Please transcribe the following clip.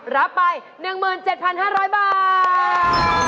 รับไป๑๗๕๐๐บาท